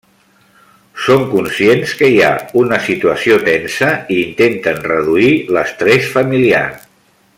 Són conscients que hi ha una situació tensa i intenten reduir l'estrès familiar.